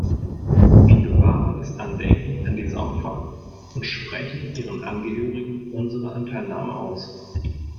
Wir bewahren das Andenken an diese Opfer und sprechen ihren Angehörigen unsere Anteilnahme aus.